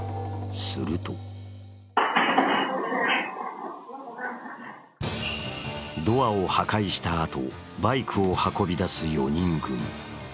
するとドアを破壊したあと、バイクを運び出す４人組。